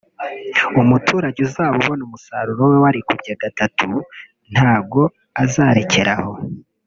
umuturage uzaba ubona umusaruro we warikubye gatatu ntago azarekera aho